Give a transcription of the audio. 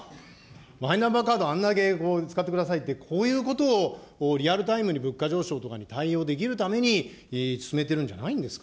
マイナンバーカード、あんだけ使ってくださいって、こういうことをリアルタイムに物価上昇とかに対応できるために進めてるんじゃないんですか。